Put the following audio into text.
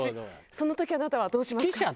その時あなたはどうしますか？